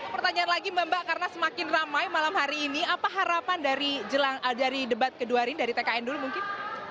pertanyaan lagi mbak mbak karena semakin ramai malam hari ini apa harapan dari debat kedua hari ini dari tkn dulu mungkin